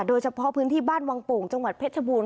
โดยเฉพาะพื้นที่บ้านวังโป่งจังหวัดเพชรบูรณ